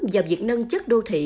vào việc nâng chất đô thị